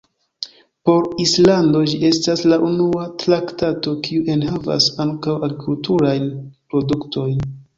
Por Islando, ĝi estas la unua traktato, kiu enhavas ankaŭ agrikulturajn produktojn.